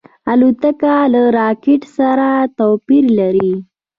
الوتکه له راکټ سره توپیر لري.